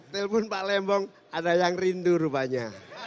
telpon pak lembong ada yang rindu rupanya